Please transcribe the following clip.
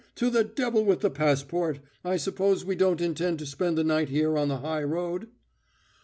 To the devil with the passport! I suppose we don't intend to spend the night here on the high road?"